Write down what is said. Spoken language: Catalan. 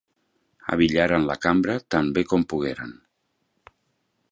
Abillaren la cambra tan bé com pogueren.